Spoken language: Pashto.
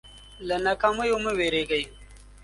له ناکامیو مه وېرېږئ.